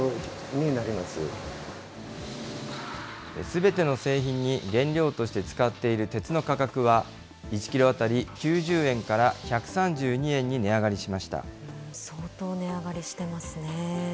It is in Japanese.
すべての製品に原料として使っている鉄の価格は１キロ当たり９０円から１３２円に値上がりし相当値上がりしてますね。